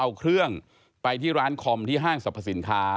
เอาเครื่องไปที่ร้านคอมที่ห้างสรรพสินค้า